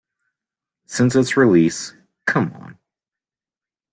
Since its release, Come On!